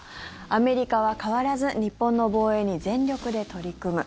アメリカは変わらず日本の防衛に全力で取り組む。